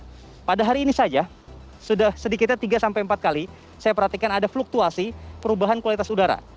nah pada hari ini saja sudah sedikitnya tiga sampai empat kali saya perhatikan ada fluktuasi perubahan kualitas udara